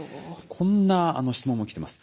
こんな質問も来てます。